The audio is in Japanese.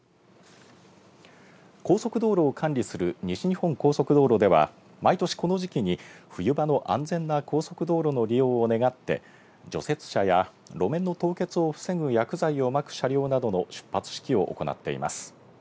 高速道路を管理する西日本高速道路では毎年この時期に冬場の安全な高速道路の利用を願って除雪車や路面の凍結を防ぐ薬剤をまく車両などの出発式を行っています。